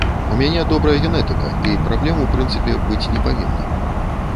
У мяне добрая генетыка, і праблем, у прынцыпе, быць не павінна.